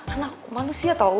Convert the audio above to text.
anak manusia tau